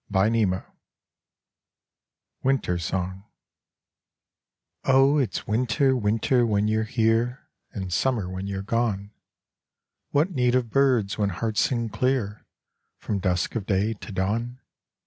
XVIII Winter Song Oh, it's winter, winter, when you're here, And summer when you're gone. What need of birds when hearts sing clear, From dusk of day to dawn?